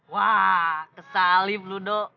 wah kesalif lu do